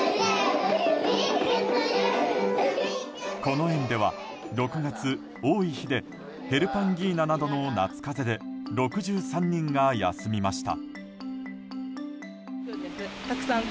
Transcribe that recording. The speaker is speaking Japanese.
この園では６月、多い日でヘルパンギーナなどの夏風邪で６３人が休みました。